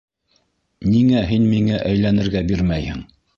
Ниңә һин миңә әйләнергә бирмәйһең?!